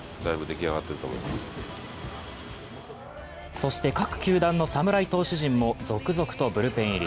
そして各球団の侍投手陣も続々とブルペン入り。